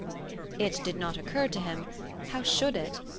It did not occur to him how should it